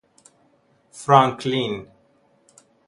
فرانکلین